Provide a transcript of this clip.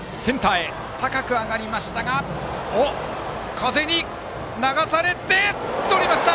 風に流されましたがとりました。